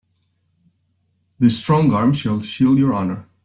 This strong arm shall shield your honor.